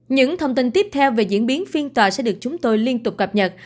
những thông tin tiếp theo về diễn biến phiên tòa sẽ được chúng tôi liên tục cập nhật